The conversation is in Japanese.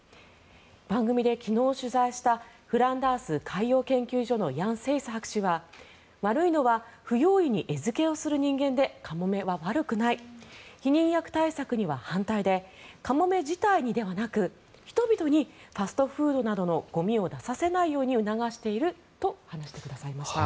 番組で昨日取材したフランダース海洋研究所のヤン・セイス博士は悪いのは不用意に餌付けをする人間でカモメは悪くない避妊薬対策には反対でカモメ自体にではなく人々にファストフードなどのゴミを出させないように促していると話していました。